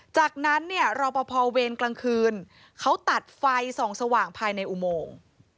จากนั้นเนี่ยรอปภเวรกลางคืนเขาตัดไฟส่องสว่างภายในอุโมง